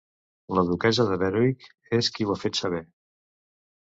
La duquessa de Berwick és qui ho ha fet saber.